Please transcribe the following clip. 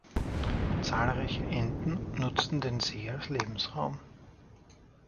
Zahlreiche Enten nutzen den See als Lebensraum.